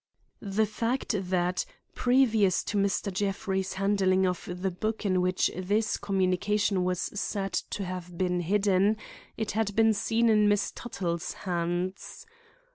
The fact that, previous to Mr. Jeffrey's handling of the book in which this communication was said to have been hidden, it had been seen in Miss Tuttle's hands.